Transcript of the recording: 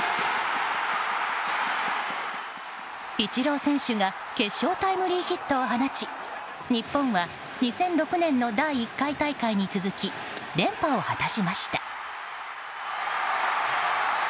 イチロー選手が決勝タイムリーヒットを放ち日本は２００６年の第１回大会に続き連覇を果たしました。